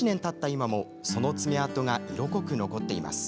今もその爪痕が色濃く残っています。